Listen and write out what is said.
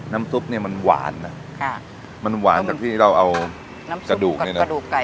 น้ำซุปเนี้ยมันหวานนะค่ะมันหวานกับที่เราเอาน้ำซุปกระดูกไก่ค่ะ